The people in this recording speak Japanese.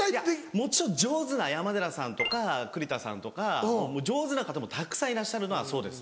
もちろん上手な山寺さんとか栗田さんとか上手な方もたくさんいらっしゃるのはそうです。